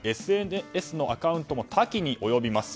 そのＳＮＳのアカウントも多岐に及びます。